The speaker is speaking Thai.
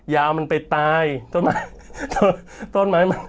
อย่าเอามันไปตาย